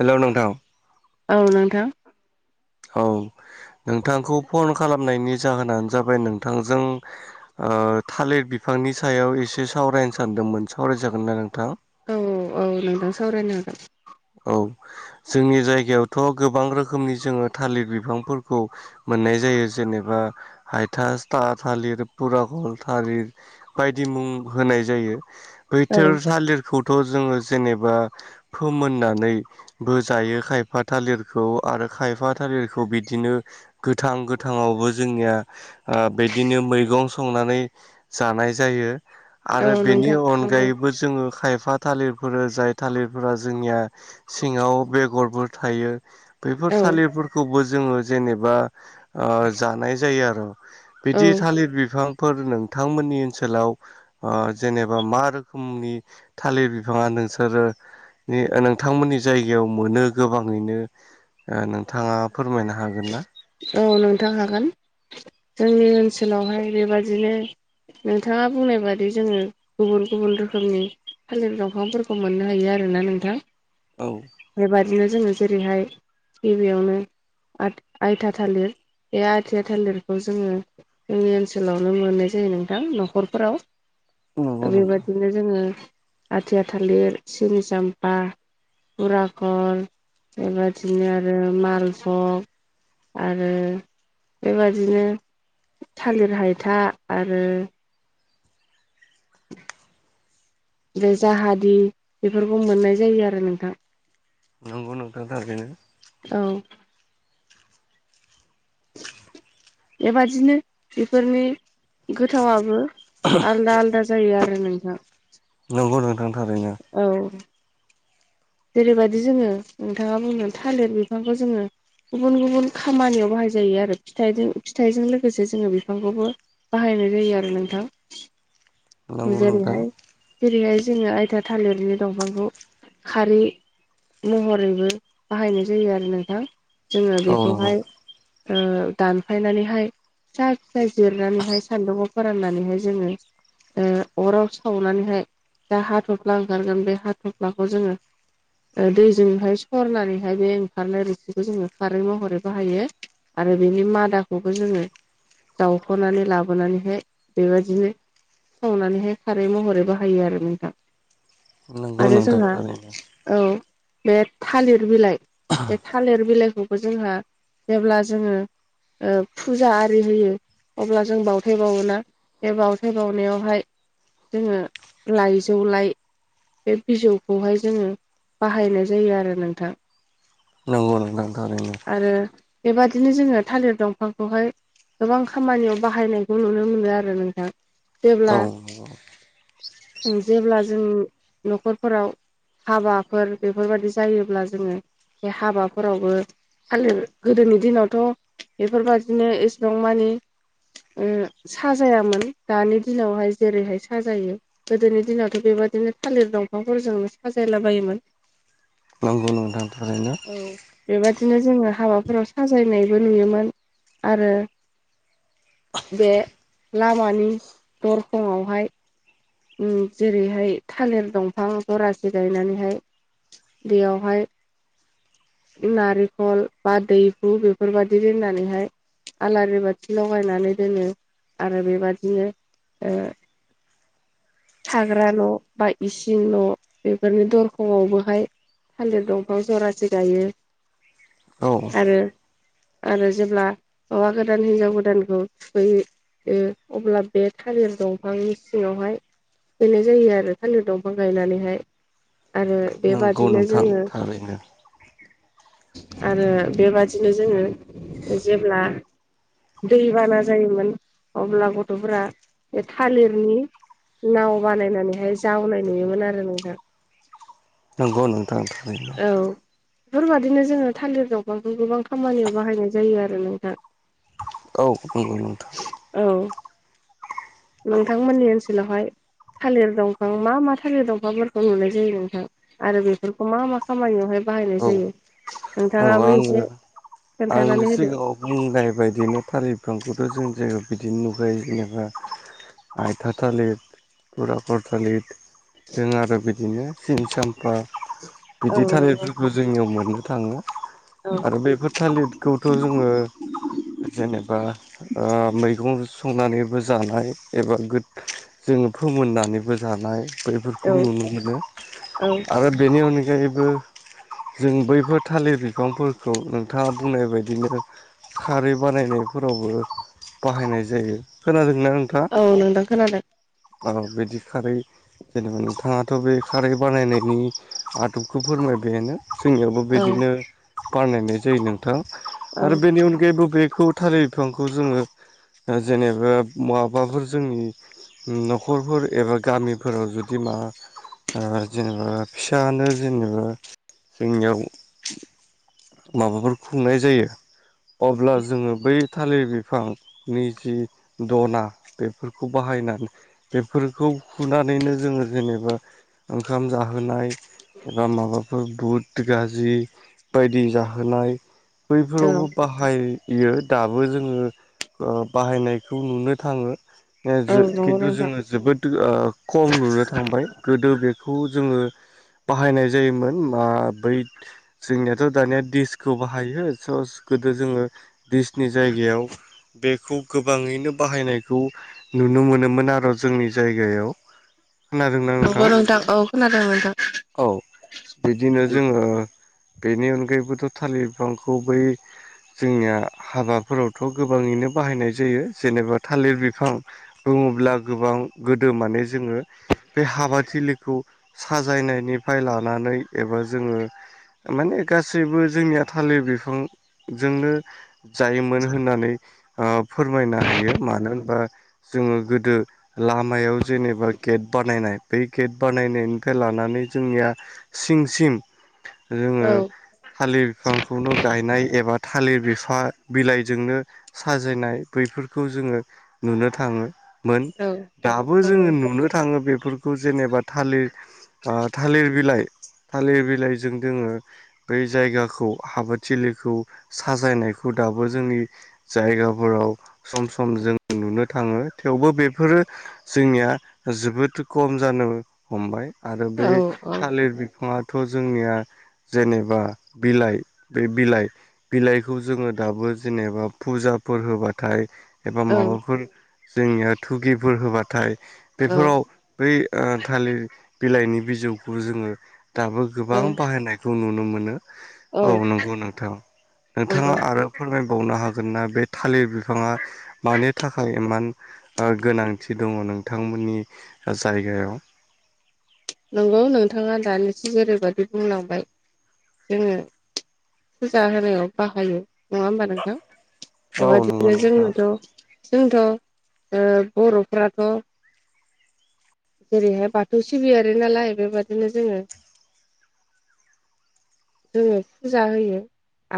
Hello नोंथां औ नोंथां औ नोंथांखौ फन खालामनायनि जाहोनानो जाबाय नोंथांजों ओ थालिर बिफांनि सायाव एसे सावरायनो सानदोंमोन सावरायजागोन ना नोंथां औ औ नोंथां सावरायनो हागोन औ जोंनि जायगायावथ' गोबां रोखोमनि जोङो थालिर बिफांफोरखौ मोननाय जायो जेनेबा हायथाथा थालिर पुरागल थालिर बायदि मुं होनाय जायो बैथोर हागोन थालिरखौथ' जोङो जेनेबा मोननानैबो जायो खायफा थालिरखौ आरो खायफा थालिरखौ बिदिनो गोथां गोथाङावबो जोंनिया ओ बिदिनो मैगं संनानै जानाय जायो औ आरो बेनि नोंथां नंगौ अनगायैबो जोङो खायफा थालिरफोर जाय थालिरफोरा जोंनिया सिङाव बेगरफोर थायो बैफोर औ थालिरफोरखौबो जोङो जेनेबा ओ जानाय जायो आरो औ बिदि थालिर बिफां फोर नोंथांमोननि ओनसोलाव ओ जेनेबा मा रोखोमनि थालिर बिफाङा नोंसोरो नि नोंथांमोननि जायगायाव मोनो गोबाङैनो ओ नोंथाङा फोरमायनो हागोन ना औ नोंथां हागोन जोंनि ओनसोलावहाय बेबादिनो नोंथाङा बुंनाय बादि जोङो गुबुन गुबुन रोखोमनि थालिर दंफांफोरखौ मोननो हायो आरोना नोंथां औ बेबादिनो जोङो जेरैहाय गिबियावनो आथ आइथा थालिर बे आथिया थालिरखौ जोङो जोंनि ओनसोलावनो मोननाय जायो नोंथां न'खरफोराव नंगौ दा नोंथां बेबायादिनो जोङो आथिया थालिर सिनि साम्फा फराखर बेबदिनो आरो मालफग आरो बेबादिनो थालिर हायथा आरो बे जाहादि बेफोरखौ मोननाय जायो आरो नोंथां नंगौ नोंथां थारैनो औ बेबादिनो बेफोरनि गोथावाबो आलादा आलादा आलदा जायो आरो औ नोंथां नंगौ नोंथां थारैनो औ जेरैबायदि जोङो नोंथाङा बुंनो थालिर बिफांखौ जोङो गुबुन गुबुन खामानियाव बाहायजायो आरो फिथाइ फिथाइजों लोगोसे जोङो बिफांखौबो बाहायनाय जायो आरो नोंथां नंगौ नोंथां जेरैहाय जेरैहाय जोङो आइथा थालिरनि दंफांखौ खारै महरैबो बाहायनाय जायो आरो नोंथां जोङो औ नंगौ बेखौहाय दानफायनानैहाय फिसा फिसा जिरनानैहाय सान्दुङाव फोराननानैहाय जोङो ओ अराव सावनानैहाय जा हाथ'फ्ला ओंखारगोन बे हाथ'फ्लाखौ जोङो ओ दैजोंहाय सरनानैहाय बे ओंखारनाय रुसिखौ जोङो खारै महरै बाहायो आरो बेनि मादाखौबो जोङो जावख'नानै लाबोनानैहाय बेबायदिनो सावनानैहाय खारै महरै बाहायो आरो नोंथां नंगौ आरो नोंथां जोंहा थारैनो औ बे थालिर बिलाइ बे थालिर बिलाइखौ खौ जोंहा जेब्ला जोङो फुजा आरि होयो अब्ला जों बावथाय बावोना बे बाव बावनायाव बावनायावहाय जोङो लाइजौ लाइ बे बिजौखौहाय जोङो बाहायनाय जायो आरो नोंथां नंगौ नोंथां थारैनो आरो बेबादिनो जोङो थालिर दंफांखौहाय गोबां खामानियाव बाहायनायखौ नुनो मोनो आरो नोंथां जेब्ला औ जेब्ला जों न'खरफोराव हाबाफोर बेफोरबायदि जायोब्ला जोङो बे हाबाफोरावबो थालिर गोदोनि दिनावथ' बेफोरबादिनो एसेबां मानि साजायामोन दानि दिनावहाय जेरैहाय साजायो गोदोनि दिनावथ' बेबायदिनो थालिर दंफांफोरजोंनो साजायला बायोमोन नंगौ नोंथां थारैनो औ बेबायदिनो जोङो हाबाफोराव साजायनायबो नुयोमोन आरो बे लामानि दरखंआवहाय जेरैहाय थालिर दंफां जरासे गायनानैहाय बेयावहाय नारेंखल बा दैहु बेफोरबायदि दोननानैहाय आलारि बाथि लगायनानै दोनो‌ आरो बेबादिनो थाग्रा न' बा इसिं न' बेफोरनि दरखंबोहाय थालिर दंफां जरासे गायो औ आरो आरो जेब्ला हौवा गोदान हिनजाव गोदानखौ थोखोयो अब्ला बे थालिर दंफांनि सिङावहाय थोखैनाय जायो आरो थालिर दंफां गायनानैहाय आरो नंगौ बेबादिनो नोंथां जोङो थारैनो आरो बेबादिनो जोङो जेब्ला दै बाना जायोमोन अब्ला गथ'फोरा बे थालिरनि नाव बानायनानैहाय जावनाय नुयोमोन आरो नोंथां नंगौ नोंथां औ बेफोरबादिनो जोङो थालिर दंफांखौ गोबां खामानियाव बाहायनाय जायो आरो नोंथां औ ओं नोंथां औ नोंथांमोननि ओनसोलावहाय थालिर दंफां मा मा थालिर दंफांफोरखौ नुनाय जायो नोंथां आरो बेफोरखौ मा मा खामानियावहाय बाहायनाय औ जायो औ नोंथाङाबो एसे खोन्थानानै होदो बुंनायाय बायदिनो थालिर बिफांखौथ' जों जायगायाव बिदिनो नुुबयो जेनेबा आयथा थालिर पुराखर थालिर जों आरो बिदिनो सिनि साम्फा बिदि औ नंगौ थालिरफोरखौ जोंनियाव मोननो थाङो। औ आरो बेफोर थालिरखौथ' जोङो जेनेबा ओ मैगं संनानैबो जानाय एबा गोदो जोङो फोमोननानैबो जानाय बेफोरखौ औ नुनो मोनो औ आरो बेनि अनगायैबो जों बैफोर थालिर बिफांफोरखौ नोंथाङा बुंनाय बायदिनो खारै बानायनायफोरावबो बाहायनाय जायो। खोनादोंना नोंथाङ औ नोंथां खोनादों औ बिदि खारै जेनेबा नोंथाङाथ' बे खारै बानायनायनि आदबखौ फोरमायबायनो। जोंनियावबो औ बिदिनो बानायनाय जायो नोंथां औ आरो बेनि अनगायैबो बेखौ थालिर बिफांखौ जोङो जेनेबा माबाफोर जोंनि न'खरफोर एबा गामिफोराव जुदि मा जेनेबा फिसायानो जेनेबा जोंनियाव माबाफोर खुंनाय जायो अब्ला जोङो बै थालिर बिफांनि जि दना बेफोरखौ बाहायनानै बेफोरखौ फुनानैनो जोङो जेनेबा ओंखाम जाहोनाय एबा माबाफोर बुट गाजि बायदि जाहोनाय। औ बैफोरावबो बाहा बाहायो दाबो जोङो बाहायनायखौ नुनो थाङो। ओ नंगौ खिन्थु नोंथां जोङो जोबोद ओ खम नुनो थांबाय गोदो बेखौ जोङो बाहायनाय जायोमोन मा बै जोंनियाथ' दानिया दिसखौ बाहायो स गोदो जोङो दिसनि जायगायाव बेखौ गोबाङैनो बाहायनायखौ नुनो मोनोमोन आरो जोंनि जायगायाव। खोनादों ना नंगौ नोंथां औ खोनादों नोंथां। औ बिदिनो जोङो बेनि अनगायैबोथ' थालिर बिफांखौ बै जोंनिया हाबाफोरावथ' गोबाङैनो बाहायनाय जायो जेनेबा थालिर बिफां बुङोब्ला गोबां गोदो माने जोङो बे हाबाथिलिखौ साजायनायनिफ्राय लानानै एबा जोङो माने गासैबो जोंनिया थालिर बिफांजोंनो जायोमोन होननानै फोरमायनो हायो मानो होनबा जोङो गोदो लामायाव जेनेबा गेट बानायनाय बै गेट बानायनायनिफ्राय लानानै जोंनिया सिं सिं जोङो औ थालिर बिफांखौनो गायनाय एबा थालिर बिफां बिलाइजोंनो साजायनाय बैफोरखौ जोङो नुनो थाङो। मोन औ दाबो नंगौ जोङो नुनो थाङो बेफोरखौ जेनेबा थालिर थालिर बिलाइ थालिर बिलाइजों जोङो बै जायगाखौ आबादथिलिखौ साजायनायखौ दाबो जोंनि जायगाफोराव सम सम जोङ नुनो थाङो थेवबो बेफोरो जोंनिया जोबोद खम जानो हमबाय आरो औ बे औ थालिर बिफाङाथ' जोंनिया जेनेबा बिलाइ बे बिलाइ बिलाइखौ जोङो दाबो जेनेबा फुजाफोर होबाथाय एबा औ माबाफोर जोंनिया थुगिफोर होबाथाय औ बेफोराव बै थालिर बिलाइनि बिजौखौ जोङो दाबो औ गोबां बाहायनायखौ नुनो मोनो औ नंगौ नोंथां। नोंथाङा नंगौ आरो फोरमायबावनो हागोन ना बे थालिर बिफाङा मानो थाखाय इमान गोनांथि दङ नोंथांमोननि जायगायाव औ नोंथाङा दानिसो जेरैबायदि बुंलांबाय जोङो फुजा होनायाव बाहायो नङा होमबा नोंथां औ नंगौ बेबादिनो नोंथां जोंनोथ' जोंथ' बर'फ्राथ' जेरैहाय बाथौ सिबियारि नालाय बेबादिनो जोङो जोङो फुजा होयो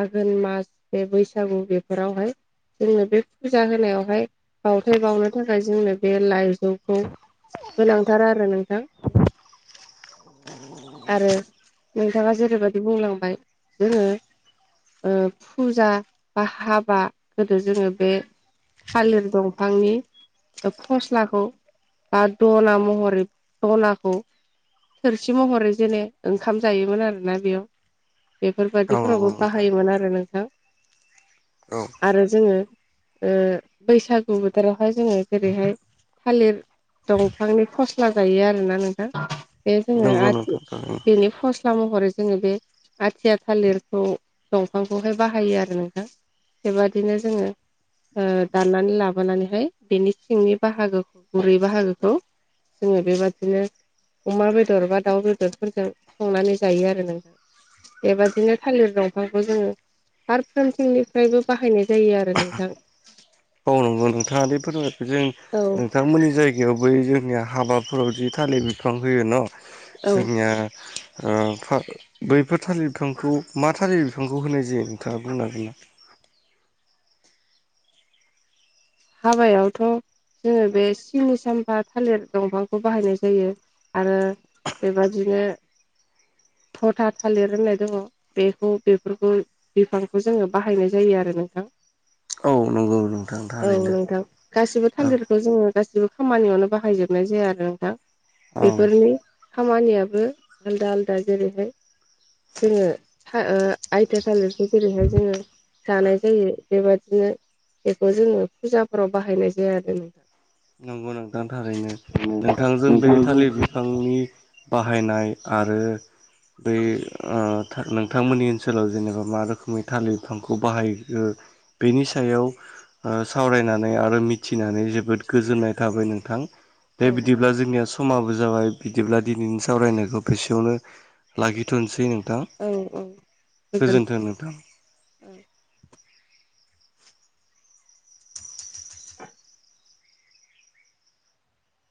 आघोन मास बे बैसागु बेफोरावहाय जोंनो बे फुजा होनायावहाय बावथाय बावनो थाखाय जोंनो बे लाइ जौखौ गोनांथारा आरो नोंथां आरो नोंथाङा जेरैबायदि बुंलांबाय जोङो ओ फुजा बा हाबा गोदो जोङो बे थालिर दंफांनि फस्लाखौ बा दना महरै दनाखौ थोरसि महरै जेने ओंखाम जायोमोन आरोना बेयाव औ नंगौ बेफोरबायदिफोरावबो नोंथां बाहायोमोन आरो नोंथां औ आरो जोङो ओ बैसागु बोथोरावहाय जोङो जेरैहाय थालिर दंफांनि फस्ला जायो आरोना नोंथां बे जोङो नंगौ नोंथां आथि थारैनो। बेनि फस्ला फस्ला महरै जोङो बे आथिया थालिरखौ दंफांखौहाय बाहायो आरो नोंथां बेबादिनो जोङो ओ दाननानै लाबोनानैहाय बेनि सिंनि बाहागोखौ गुरै बाहागोखौ जोङो बेबादिनो अमा बेदर बा दाउ बेदरफोरजों संनानै जायो आरो नोंथां बेबादिनो थालिर दंफांखौ जोङो फारफ्रोमथिंनिफ्रायबो बाहायनाय जायो आरो नोंथां औ नंगौ नोंथाङादि फोरमायदों जों औ नोंथांमोननि जाय गायाव बै जोंनिया हाबाफोराव जि थालिर बिफां होयो न' औ जोंनिया ओ फाख बैफोर थालिर बिफांखौ मा थालिर बिफांखौ होनाय जायो नोंथाङा बुंना होगोना? हाबायावथ' जोङो बे सिनि साम्फा थालिर दंफांखौ बाहायनाय जायो आरो बेबादिनो थथा थालिर होननाय दङ' बेखौ बेफोरखौ बिफांखौ जोङो बाहायनाय जायो आरो नोंथां औ नंगौ नंगौ औ नोंथां गासिबो थालिरखौ जोङो गासिबो खामानियावनो बाहायजोबनाय जाया आरो नोंथां औ बेफोरनि खामानियाबो आलदा आलदा जेरैहाय जोङो ओ आइथा थालिर जेरैहाय जोङो जानाय जायो बेबादिनो बेखौ जोङो फुजाफोराव बाहायनाय जाया आरो नोंथां नंगौ नोंथां थारैनो नोंथांजों बे थालिर बिफांनि बाहायनाय आरो बै ओ नोंथांमोननि ओनसोलाव जेनेबा मा रोखोमै थालिर बिफांखौ बाहायो बेनि सायाव ओ सावरायनानै आरो मिथिनानै जोबोद गोजोननाय थाबाय नोंथां औ दे बिदि ब्ला जोंनिया समाबो जाबाय बिदिब्ला दिनैनि सावरायनायखौ बेसेयावनो लाखिथ'निसै नोंथां औ औ गोजोन्थों गोजोनथों नोंथां औ